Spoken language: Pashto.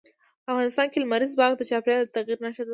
افغانستان کې لمریز ځواک د چاپېریال د تغیر نښه ده.